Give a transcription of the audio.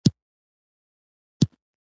بادرنګ ډیر نرم خواړه دي.